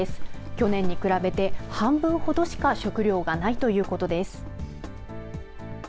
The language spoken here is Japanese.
去年に比べて半分ほどしか食料がないということです。